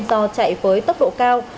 do chạy với tốc độ khóa